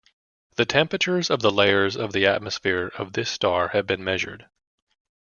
The temperatures of the layers of the atmosphere of this star have been measured.